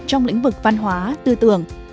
trong lĩnh vực văn hóa tư tưởng